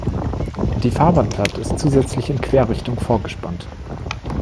Die Fahrbahnplatte ist zusätzlich in Querrichtung vorgespannt.